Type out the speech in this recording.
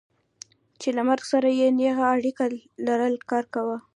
چې له مرګ سره یې نېغه اړیکه لرل کار و.